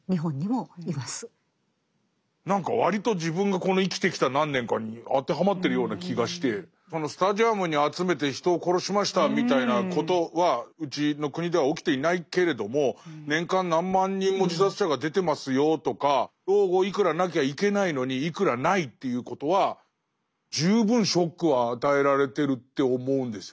何か割と自分がこの生きてきた何年かに当てはまってるような気がしてそのスタジアムに集めて人を殺しましたみたいなことはうちの国では起きていないけれども年間何万人も自殺者が出てますよとか老後いくらなきゃいけないのにいくらないということは十分ショックは与えられてるって思うんですよね。